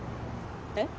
えっ？